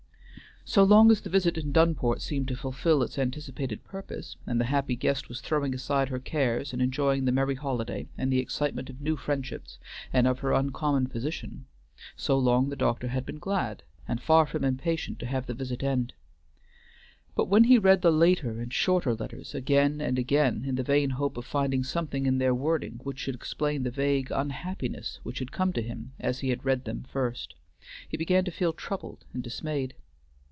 So long as the visit in Dunport seemed to fulfill its anticipated purpose, and the happy guest was throwing aside her cares and enjoying the merry holiday and the excitement of new friendships and of her uncommon position, so long the doctor had been glad, and far from impatient to have the visit end. But when he read the later and shorter letters again and again in the vain hope of finding something in their wording which should explain the vague unhappiness which had come to him as he had read them first, he began to feel troubled and dismayed.